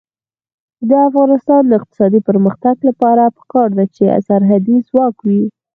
د افغانستان د اقتصادي پرمختګ لپاره پکار ده چې سرحدي ځواک وي.